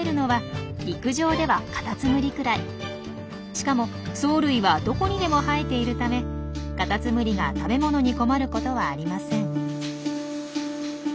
しかも藻類はどこにでも生えているためカタツムリが食べ物に困ることはありません。